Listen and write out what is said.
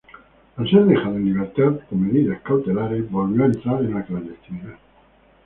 Al ser dejado en libertad con medidas cautelares, volvió a entrar en la clandestinidad.